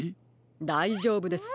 だいじょうぶです。